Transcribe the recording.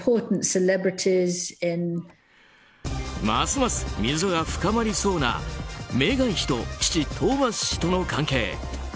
ますます溝が深まりそうなメーガン妃と父トーマス氏との関係。